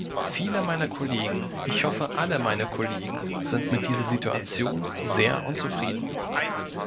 Viele meiner Kollegen ich hoffe, alle meine Kollegen sind mit dieser Situation sehr unzufrieden.